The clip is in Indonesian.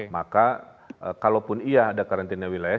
maka kalaupun iya ada karantina wilayah